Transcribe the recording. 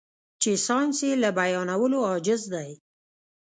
چې ساينس يې له بيانولو عاجز دی.